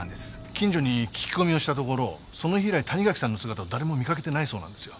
近所に聞き込みをしたところその日以来谷垣さんの姿を誰も見かけてないそうなんですよ。